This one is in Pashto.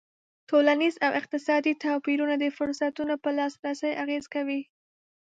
ټولنیز او اقتصادي توپیرونه د فرصتونو پر لاسرسی اغېز کوي.